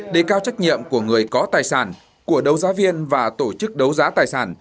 đề cao trách nhiệm của người có tài sản của đấu giá viên và tổ chức đấu giá tài sản